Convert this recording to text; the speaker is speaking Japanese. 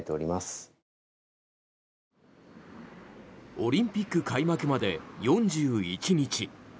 オリンピック開幕まで４１日。